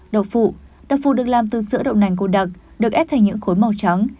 đậu phụ đậu phụ được làm từ sữa đậu nành cô đặc được ép thành những khối màu trắng